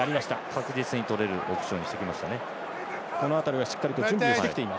確実にとれるオプションをしてきましたね。